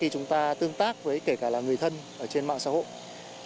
khi chúng ta tương tác với kể cả là người thân ở trên mạng xã hội